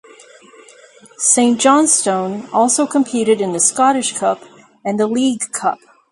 St Johnstone also competed in the Scottish Cup and the League Cup.